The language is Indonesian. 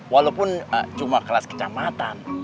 walaupun cuma kelas kecamatan